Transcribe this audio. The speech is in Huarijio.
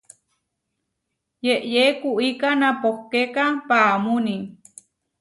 Yeʼyé kuiká napohkéka paʼámuuní.